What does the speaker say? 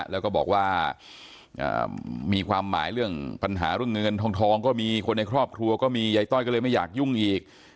แล้วก็บอกว่ามีความหมายเรื่องปัญหาเรื่องเงินทองก็มีคนในครอบครัวก็มียายต้อยก็เลยไม่อยากยุ่งอีก